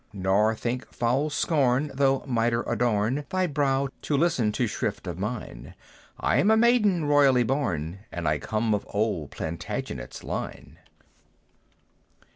"Nor think foul scorn, though mitre adorn Thy brow, to listen to shrift of mine! I am a maiden royally born, And I come of old Plantagenet's line.